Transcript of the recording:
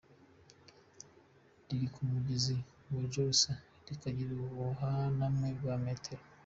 Riri ku mugezi wa Jokulsa kikagira ubuhaname bwa metero